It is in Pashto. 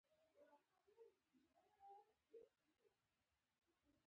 چینایي متل وایي راتلونکي نسل ته ښه کار وکړئ.